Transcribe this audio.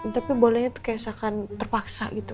tapi bolehnya tuh kayak sakan terpaksa gitu